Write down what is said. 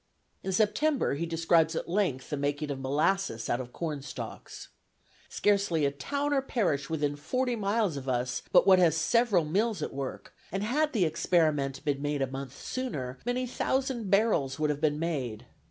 In September he describes at length the making of molasses out of corn stalks. "Scarcely a town or parish within forty miles of us but what has several mills at work; and had the experiment been made a month sooner many thousand barrels would have been made.